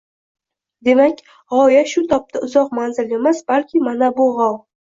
Demak, g‘oya shu topda uzoq manzil emas, balki mana bu g‘ov!